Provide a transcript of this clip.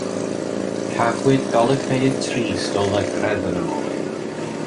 Cafwyd golygfeydd trist o lygredd yn y môr.